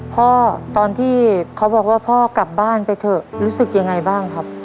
ตอนที่เขาบอกว่าพ่อกลับบ้านไปเถอะรู้สึกยังไงบ้างครับ